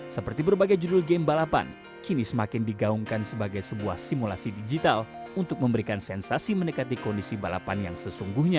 seperti berbagai judul game balapan kini semakin digaungkan sebagai sebuah simulasi digital untuk memberikan sensasi mendekati kondisi balapan yang sesungguhnya